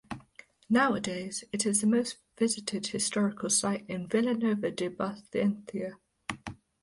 Nowadays it is the most visited historical site in Vila Nova da Barquinha.